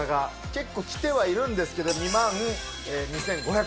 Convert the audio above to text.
結構着てはいるんですけれども、２万２５００円。